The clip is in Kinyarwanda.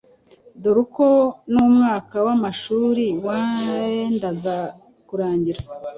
dore ko n'umwaka w'amashuri wendaga kurangira.